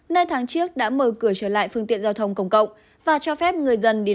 nơi tháng trước đã mở cửa trở lại phương tiện giao thông công cộng